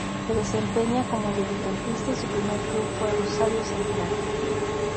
Se desempeña como mediocampista y su primer club fue Rosario Central.